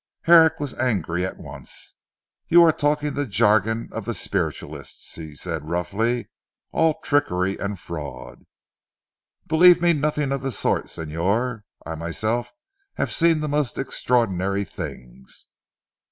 Herrick was angry at once. "You are talking the jargon of the spiritualists," he said roughly, "all trickery and fraud." "Believe me nothing of the sort Señor. I myself have seen the most extraordinary things."